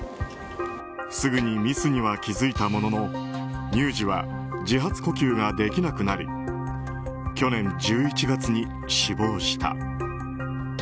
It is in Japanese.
すぐにミスには気付いたものの乳児は自発呼吸ができなくなり去年１１月に死亡した。